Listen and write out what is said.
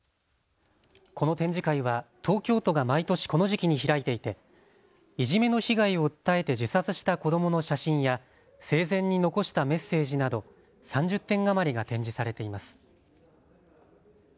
この展示会は東京都が毎年この時期に開いていていじめの被害を訴えて自殺した子どもの写真や生前に残したメッセージなど３０点余りが展示されています。